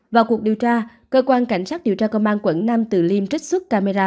vào cuộc điều tra cơ quan cảnh sát điều tra công an quận nam từ liêm trích xuất camera